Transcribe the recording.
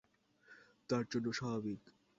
তার জন্য স্বাভাবিক।